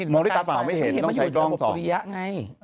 มองด้วยตาเปล่าไม่เห็นต้องใช้กล้องสวียะไง